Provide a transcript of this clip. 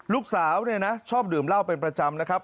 ลูกสาวเนี่ยนะชอบดื่มเหล้าเป็นประจำนะครับ